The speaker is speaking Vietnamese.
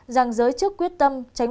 rằng giới chức quyết tâm tránh